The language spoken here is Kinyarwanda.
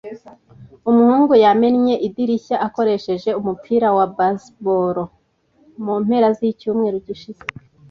Umuhungu yamennye idirishya akoresheje umupira wa baseball mu mpera zicyumweru gishize.